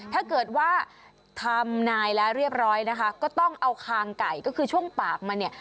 ถ้าเกิดว่าทำนายแล้วเรียบร้อยนะคะก็ต้องเอาคางไก่ก็คือช่วงปากมันเนี่ย